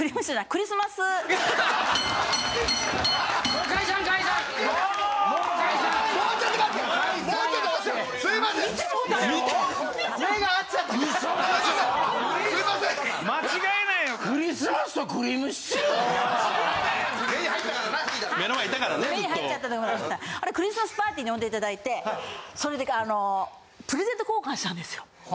クリスマスパーティーに呼んでいただいてそれでプレゼント交換したんですよ。